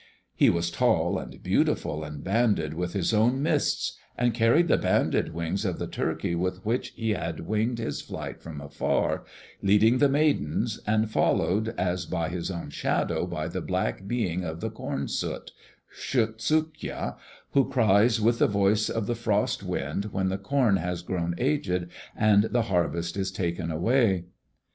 He was tall and beautiful and banded with his own mists, and carried the banded wings of the turkeys with which he had winged his flight from afar, leading the Maidens, and followed as by his own shadow by the black being of the corn soot, Shutsukya, who cries with the voice of the frost wind when the corn has grown aged and the harvest is taken away.